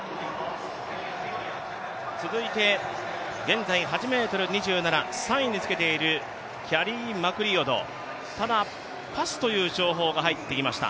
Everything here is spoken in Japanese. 続いて現在８ｍ２７、３位につけているキャリー・マクリオド、ただパスという情報が入ってきました。